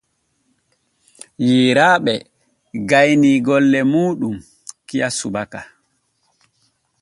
Yeyraaɓe gaynii golle muuɗum kiya subaka.